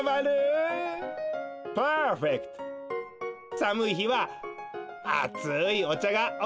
さむい日はあついおちゃがおいしいなあ。